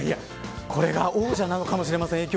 これが王者なのかもしれません。